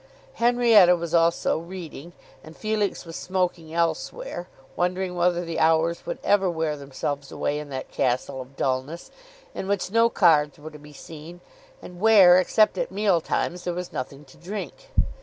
Henrietta was also reading, and Felix was smoking elsewhere, wondering whether the hours would ever wear themselves away in that castle of dulness, in which no cards were to be seen, and where, except at meal times, there was nothing to drink.